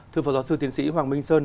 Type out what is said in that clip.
thưa phó giáo sư tiến sĩ hoàng minh sơn